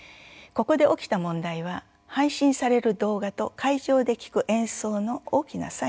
ここで起きた問題は配信される動画と会場で聴く演奏の大きな差異です。